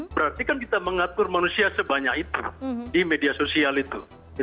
berarti kan kita mengatur manusia sebanyak itu di media sosial itu